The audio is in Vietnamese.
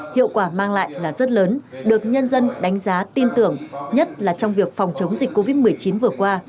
hiệu quả mang lại là rất lớn được nhân dân đánh giá tin tưởng nhất là trong việc phòng chống dịch covid một mươi chín vừa qua